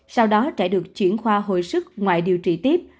sau đó trẻ được chuyển khoa hồi sức ngoại điều trị tiếp